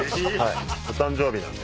お誕生日なんで。